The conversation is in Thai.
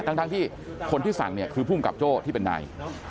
ทั้งที่คนที่สั่งเนี่ยคือภูมิกับโจ้ที่เป็นนาย